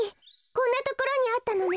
こんなところにあったのね。